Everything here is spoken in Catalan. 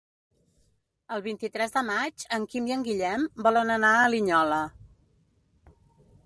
El vint-i-tres de maig en Quim i en Guillem volen anar a Linyola.